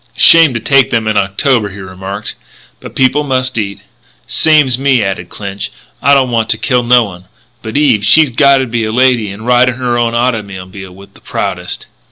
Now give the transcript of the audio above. "Shame to take them in October," he remarked, "but people must eat." "Same's me," nodded Clinch; "I don't want to kill no one, but Eve she's gotta be a lady and ride in her own automobile with the proudest."